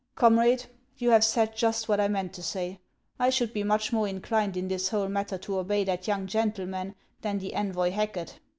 " Comrade, you have said just what I meant to say. I should be much more inclined in this whole matter to obey that young gentleman than the envoy Hacket.